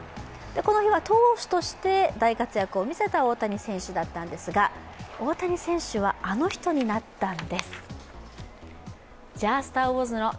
この日は投手として大活躍した大谷選手だったんですが大谷選手は、あの人になったんです